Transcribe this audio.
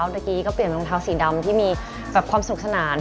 เมื่อกี้ก็เปลี่ยนรองเท้าสีดำที่มีความสุขสนาน